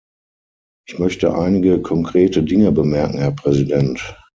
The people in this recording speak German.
Ich möchte einige konkrete Dinge bemerken, Herr Präsident.